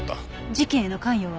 事件への関与は？